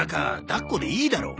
抱っこでいいだろ。